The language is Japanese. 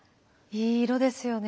いい色ですよね。